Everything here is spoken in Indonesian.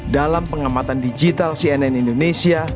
dalam pengamatan digital cnn indonesia